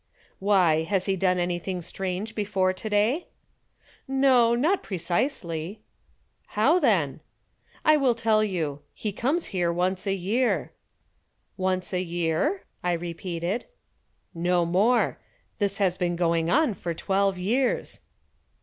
"Why, has he done anything strange before to day?" "No, not precisely." "How then?" "I will tell you. He comes here once a year." "Once a year?" I repeated. "No more. This has been going on for twelve years."